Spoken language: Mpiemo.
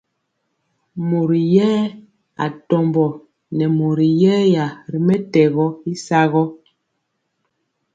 Mori yɛ atombo nɛ mori yɛya ri mɛtɛgɔ y sagɔ.